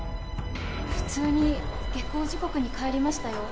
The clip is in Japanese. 普通に下校時刻に帰りましたよ。